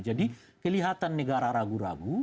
jadi kelihatan negara ragu ragu